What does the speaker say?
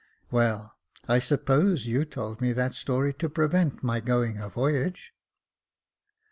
" Well, I suppose you told me that story to prevent my going a voyage ?